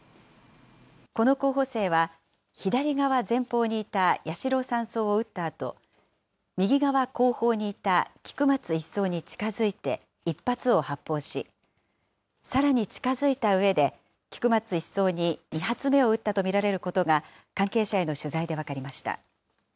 この候補生は、左側前方にいた八代３曹を撃ったあと、右側後方にいた菊松１曹に近づいて１発を発砲し、さらに近づいたうえで、菊松１曹に２発目を撃ったと見られることが、関係者への取材で分かりました。